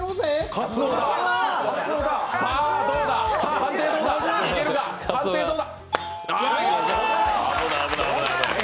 判定どうだ？